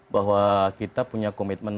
bahwa kita punya komitmen